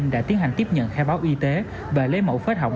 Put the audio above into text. đã tiến hành tiếp nhận khai báo y tế và lấy mẫu phết hỏng